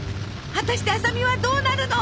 果たして麻美はどうなるの！